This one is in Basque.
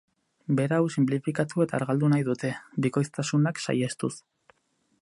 Berau sinplifikatu eta argaldu nahi dute, bikoiztasunak saihestuz.